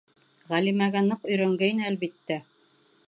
Ғәлимәгә ныҡ өйрәнгәйне, әлбиттә.